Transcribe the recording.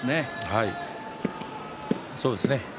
はい、そうですね。